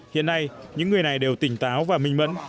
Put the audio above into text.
hiện nay những người này đều tỉnh táo và minh mẫn